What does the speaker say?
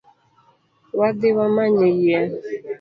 Wadhi wamany yien